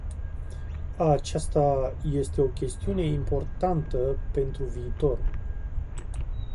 Aceasta este o chestiune importantă pentru viitor.